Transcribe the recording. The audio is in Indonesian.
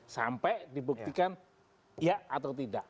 sampai dibuktikan ya atau tidak